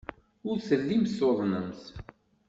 Ur tellimt tuḍnemt.